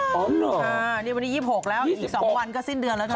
อ๋อเหรออ่านี่วันนี้๒๖แล้วอีก๒วันก็สิ้นเดือนแล้วเถอะ